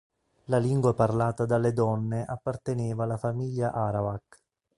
La lingua parlata dalle donne apparteneva alla famiglia arawak.